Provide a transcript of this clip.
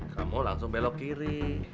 kamu langsung belok kiri